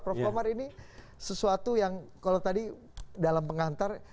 prof komar ini sesuatu yang kalau tadi dalam pengantar